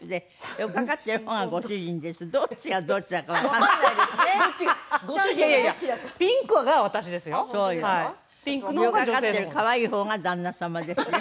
寄っかかってる可愛い方が旦那様ですね。